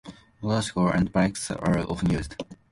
Motorcycles and bikes are often used.